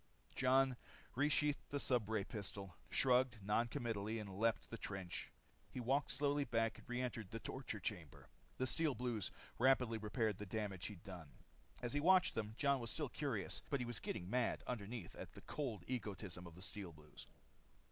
Jon resheathed the stubray pistol, shrugged non committally and leaped the trench. He walked slowly back and reentered the torture chamber. The Steel Blues rapidly repaired the damage he'd done. As he watched them, Jon was still curious, but he was getting mad underneath at the cold egoism of the Steel Blues.